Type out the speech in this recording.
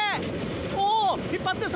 おぉ引っ張ってる！